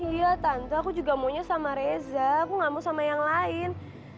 iya tante aku juga maunya sama reza aku gak mau sama yang lain